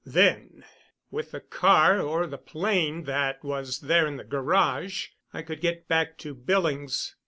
Then, with the car or the plane that was there in the garage, I could get back to Billings.